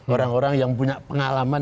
orang orang yang punya pengalaman